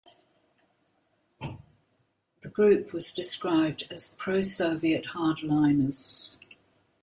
The group was described as pro-Soviet hardliners.